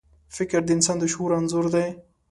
فکر د انسان د شعور انځور دی.